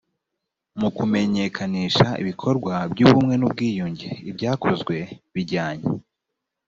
mu kumenyekanisha ibikorwa by ubumwe n ubwiyunge ibyakozwe bijyanye